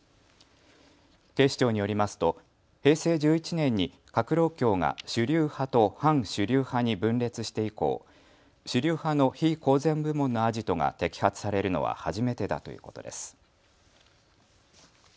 警視庁によりますと平成１１年に革労協が主流派と反主流派に分裂して以降、主流派の非公然部門のアジトが摘発されるのは初めてだということです。